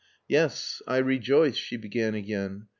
"Yes! I rejoiced," she began again.